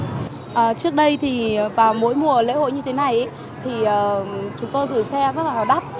trước đây thì vào mỗi mùa lễ hội như thế này thì chúng tôi gửi xe rất là đắt